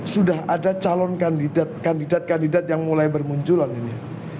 sudah ada calon kandidat kandidat kandidat yang mulai bermunculan ini